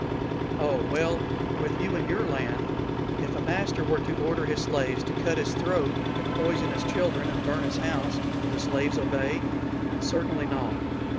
"Oh, well, with you in your land, if a master were to order his slaves to cut his throat and poison his children and burn his house, would the slaves obey?" "Certainly not."